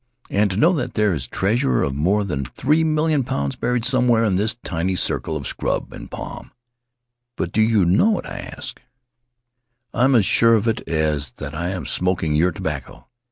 And to know that there is a treasure of more than three million pounds buried somewhere in this tiny circle of scrub and palm —" But do you know it?" I asked. I'm as sure of it as that I am smoking your tobacco.